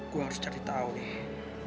gue harus cari tahu nih